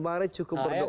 pak rey cukup berdoa